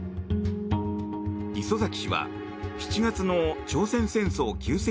礒崎氏は７月の朝鮮戦争休戦